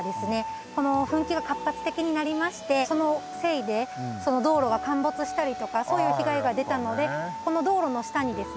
この噴気が活発的になりましてそのせいで道路が陥没したりとかそういう被害が出たのでこの道路の下にですね